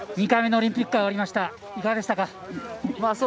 ２回目のオリンピック終わりました、いかがでしたか？